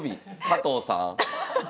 加藤さん。